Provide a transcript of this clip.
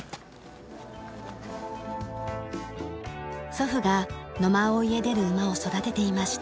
祖父が野馬追へ出る馬を育てていました。